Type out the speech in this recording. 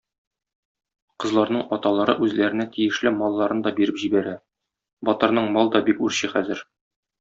Кызларның аталары үзләренә тиешле малларын да биреп җибәрә, батырның мал да бик үрчи хәзер.